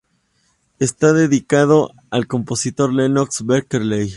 Está dedicado al compositor Lennox Berkeley.